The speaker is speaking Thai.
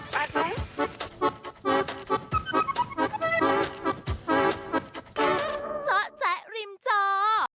เจาะแจ๊ะริมจอ